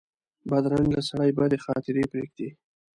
بدرنګه سړي بدې خاطرې پرېږدي